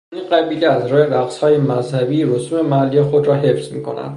این قبیله از راه رقصهای مذهبی رسوم محلی خود را حفظ میکند.